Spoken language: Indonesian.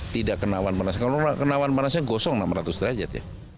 tidak kena awan panasnya kalau kena awan panasnya gosong enam ratus derajat